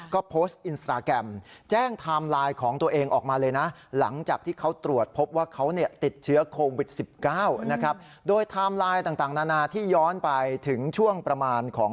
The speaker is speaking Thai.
ก็โพสต์อินสตราแกรมแจ้งไทม์ไลน์ของตัวเองออกมาเลยนะ